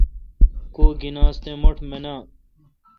کوگینانس تے مٹھ مناں۔